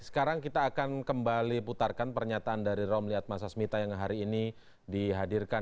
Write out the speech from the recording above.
sekarang kita akan kembali putarkan pernyataan dari romli atmasasmita yang hari ini dihadirkan